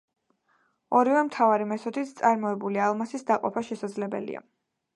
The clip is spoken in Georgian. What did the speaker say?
ორივე მთავარი მეთოდით წარმოებული ალმასის დაყოფა შესაძლებელია.